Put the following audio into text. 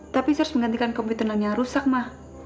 tapi saya harus menggantikan komputer nangis yang rusak ma